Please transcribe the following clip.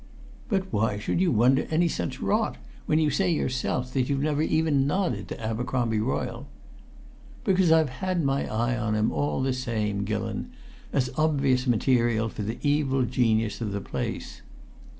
"But why should you wonder any such rot, when you say yourself that you've never even nodded to Abercromby Royle?" "Because I've had my eye on him all the same, Gillon, as obvious material for the evil genius of the place."